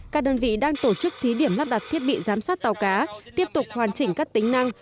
các đơn vị đang tổ chức thí điểm lắp đặt thiết bị giám sát tàu cá tiếp tục hoàn chỉnh các tính năng